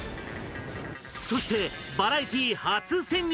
そしてバラエティー初潜入